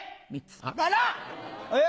えっ！